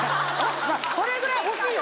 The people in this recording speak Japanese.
それぐらい欲しいよ